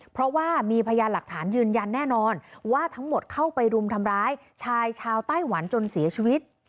เพราะว่ามีพยานหลักฐานยืนยันแน่นอนว่าทั้งหมดเข้าไปรุมทำร้ายชายชาวไต้หวันจนเสียชีวิต